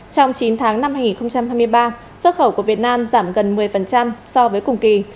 trong chín tháng năm hai nghìn hai mươi ba xuất khẩu của việt nam giảm gần một mươi so với cùng kỳ